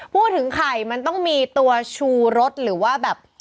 พูดถึงไข่มันต้องมีตัวชูรสหรือว่าแบบ